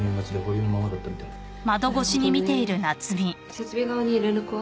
設備側に連絡は？